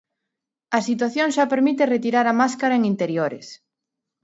A situación xa permite retirar a máscara en interiores.